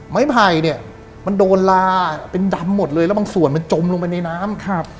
ไผ่เนี่ยมันโดนลาเป็นดำหมดเลยแล้วบางส่วนมันจมลงไปในน้ำครับ